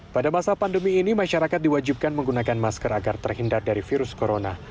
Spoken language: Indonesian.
pada masa pandemi ini masyarakat diwajibkan menggunakan masker agar terhindar dari virus corona